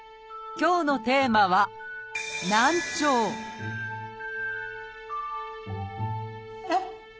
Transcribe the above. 今日のテーマは「難聴」えっ？